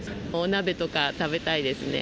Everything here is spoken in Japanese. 鍋とか食べたいですね